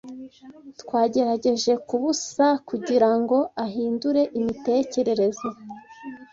Twagerageje kubusa kugirango ahindure imitekerereze.